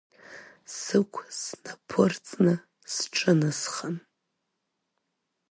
Сықә снаԥырҵны сҿынасхан…